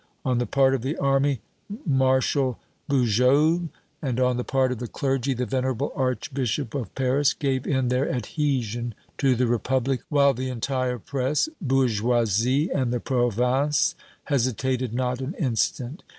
On the part of the army Marshal Bugeaud and on the part of the clergy the venerable Archbishop of Paris gave in their adhesion to the Republic, while the entire press, Bourgeoisie and the Provinces hesitated not an instant.